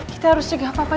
kita harus cegah papa